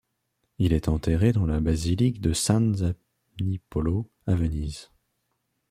Il est enterré dans la basilique de San Zanipolo à Venise.